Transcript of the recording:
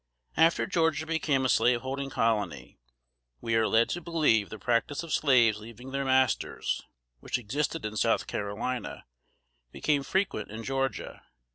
After Georgia became a Slaveholding Colony, we are led to believe the practice of slaves leaving their masters, which existed in South Carolina, became frequent in Georgia.